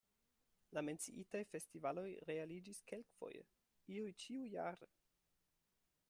La menciitaj festivaloj realiĝis kelkfoje, iuj ĉiujare.